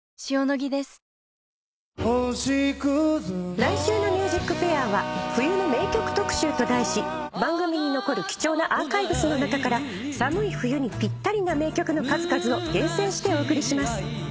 来週の『ＭＵＳＩＣＦＡＩＲ』は「冬の名曲特集」と題し番組に残る貴重なアーカイブスの中から寒い冬にぴったりな名曲の数々を厳選してお送りします。